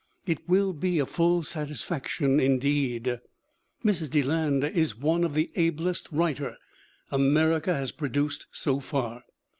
It will be a full satisfac tion indeed. Mrs. Deland is one of the ablest writers America has produced so far.